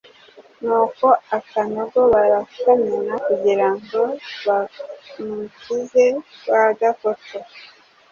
Ni uko agakono barakamena kugirango bamukize rwagakoco